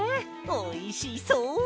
おいしそう！